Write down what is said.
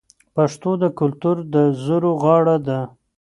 پښتو د کلتور د زرو غاړه ده.